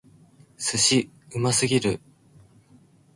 寿司！うますぎる！